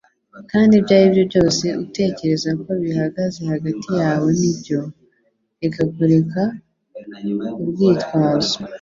kandi ibyo aribyo byose utekereza ko bihagaze hagati yawe nibyo, reka kureka urwitwazo.